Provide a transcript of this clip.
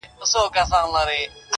څو مېږیانو پکښي وکړل تقریرونه!